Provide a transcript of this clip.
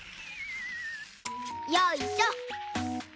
よいしょ！